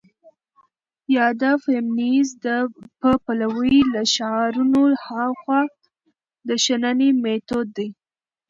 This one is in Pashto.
يا د فيمنيزم په پلوۍ له شعارونو هاخوا د شننې مېتود دى.